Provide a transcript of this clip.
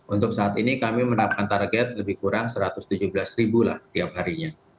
untuk saat ini kami menerapkan target lebih kurang satu ratus tujuh belas ribu lah tiap harinya